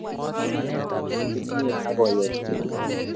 omii komie akoiya